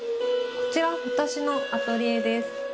こちら私のアトリエです。